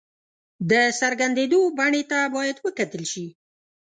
د څرګندېدو بڼې ته باید وکتل شي.